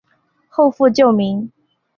后复旧名。